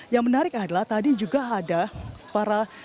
yang menarik adalah tadi juga ada para